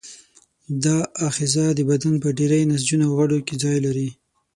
دا آخذه د بدن په ډېری نسجونو او غړو کې ځای لري.